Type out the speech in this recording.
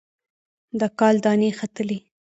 د کال دانې ختلي